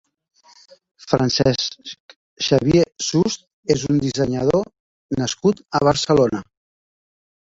Francesc Xavier Sust és un dissenyador nascut a Barcelona.